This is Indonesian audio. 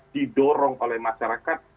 didorong oleh masyarakat